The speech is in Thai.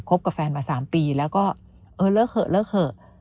กับแฟนมา๓ปีแล้วก็เออเลิกเถอะเลิกเถอะ